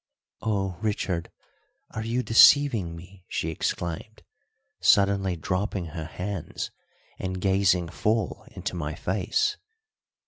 "Oh, Richard, are you deceiving me?" she exclaimed, suddenly dropping her hands and gazing full into my face.